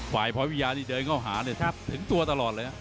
ฝ่ายพร้อมพี่ยาที่เดินเข้าหาถึงตัวตลอดเลยนะ